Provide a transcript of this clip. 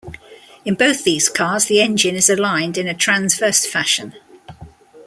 In both these cars the engine is aligned in a transverse fashion.